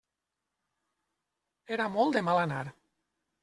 Era molt de mal anar.